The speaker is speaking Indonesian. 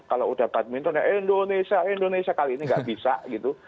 kalau udah badminton ya indonesia indonesia kali ini nggak bisa gitu